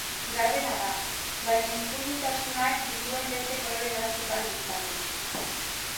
Gardena da, baina ezpurutasunak dituenean beste kolore batzuk har ditzake.